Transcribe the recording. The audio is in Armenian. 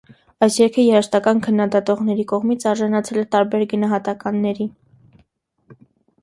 Այս երգը երաժշտական քննադատողների կողմից արժանացել է տարբեր գնահատականների։